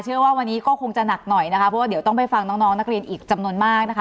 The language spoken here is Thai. เชื่อว่าวันนี้ก็คงจะหนักหน่อยนะคะเพราะว่าเดี๋ยวต้องไปฟังน้องน้องนักเรียนอีกจำนวนมากนะคะ